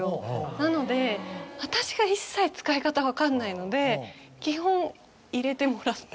なので私が一切使い方分かんないので基本入れてもらって。